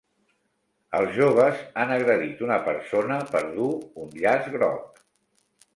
Els joves han agredit una persona per dur un llaç groc.